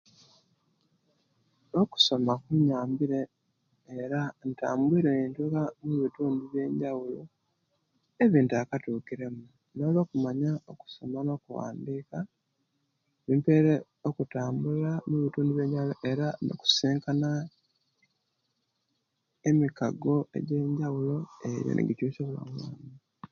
Okusoma kunyambire era ntambuire nituuka omubitundu ebiyenjabulo ebyenttakatukiremu naye olwo'kumanya okusoma nokuwandika bimpaire okutaambula mubitundu ebyenjabulo era okusisinkana emikago ejenjabulo ejo nejikyusya obulamu bwange.